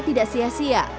ia tidak sia sia